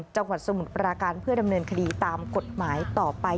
สมุทรปราการเพื่อดำเนินคดีตามกฎหมายต่อไป